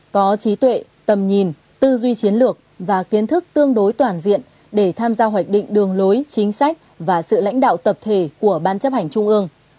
có trí tuệ tầm nhìn tư duy chiến lược và kiến thức tương đối toàn diện để tham gia hoạch định đường lối chính sách và sự lãnh đạo tập thể của ban chấp hành trung ương